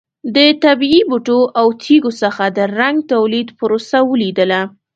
د طبیعي بوټو او تېږو څخه د رنګ تولید پروسه ولیدله.